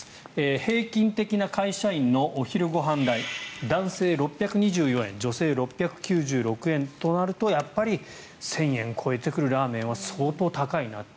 平均的な会社員のお昼ご飯代男性、６２４円女性、６９６円となるとやっぱり１０００円超えてくるラーメンは相当高いなと。